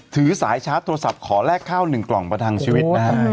ถือสายชาร์จโทรศัพท์ขอแลกข้าว๑กล่องประทังชีวิตนะฮะ